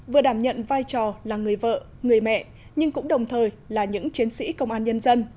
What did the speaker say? vừa đảm nhận vai trò là người vợ người mẹ nhưng cũng đồng thời là những chiến sĩ công an nhân dân